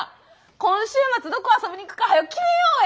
今週末どこ遊びに行くかはよ決めようや！